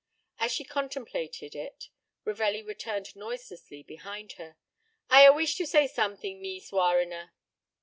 As she contemplated it, Ravelli returned noiselessly behind her. "I a wish to say something, Mees Warriner."